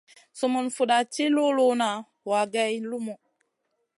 Sumun fuda ci luluna wa geyn lumu.